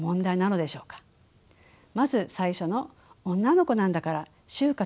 まず最初の「女の子なんだから就活